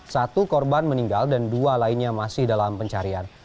satu korban meninggal dan dua lainnya masih dalam pencarian